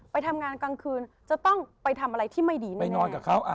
ไปทำงานกลางคืนจะต้องไปทำอะไรที่ไม่ดีแน่นอนกับเขา